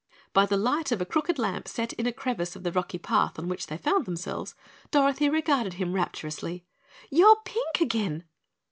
By the light of a crooked lamp set in a crevice of the rocky path on which they found themselves Dorothy regarded him rapturously. "You're pink again!"